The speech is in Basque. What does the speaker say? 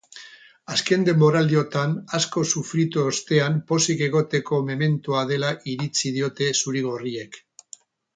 Azken denboraldiotan asko sufritu ostean pozik egoteko mementoa dela iritzi diote zuri-gorriek.